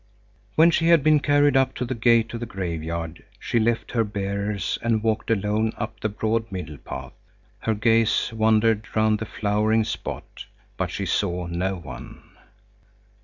When she had been carried up to the gate of the graveyard, she left her bearers and walked alone up the broad middle path. Her gaze wandered round the flowering spot, but she saw no one.